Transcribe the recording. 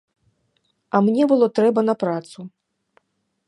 А мне было трэба на працу.